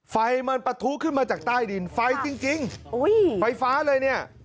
ไฟมันปะทุขึ้นมาจากใต้ดินไฟจริงจริงอุ้ยไฟฟ้าเลยเนี่ย